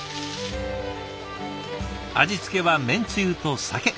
味付けはめんつゆと酒。